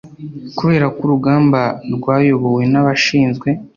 kubera ko urugamba rwayobowe n'abashinzwe